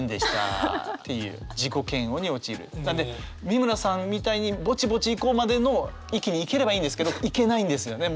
美村さんみたいに「ぼちぼち行こう」までの域に行ければいいんですけど行けないんですよね。